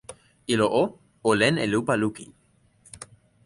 ilo o, o len e lupa lukin.